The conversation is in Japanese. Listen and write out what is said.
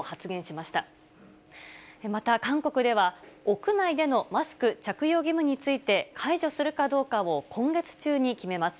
また、韓国では、屋内でのマスク着用義務について、解除するかどうかを今月中に決めます。